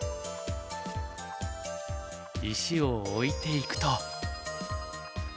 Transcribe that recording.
石を置いていくと。